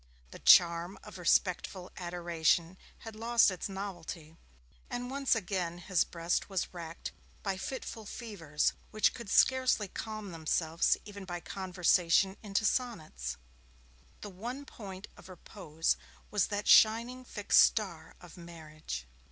The charm of respectful adoration had lost its novelty, and once again his breast was racked by fitful fevers which could scarcely calm themselves even by conversion into sonnets. The one point of repose was that shining fixed star of marriage.